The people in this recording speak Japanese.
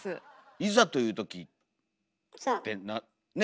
いざというときってね？